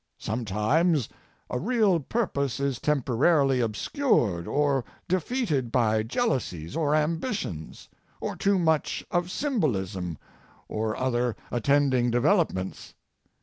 Sometimes a real purpose is temporarily obscured or defeated by jealousies, or ambitions, or too much of symbolism, or other attending developments.